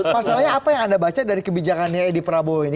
masalahnya apa yang anda baca dari kebijakannya edi prabowo ini